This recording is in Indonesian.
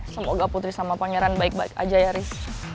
semoga putri sama pangeran baik baik aja ya riz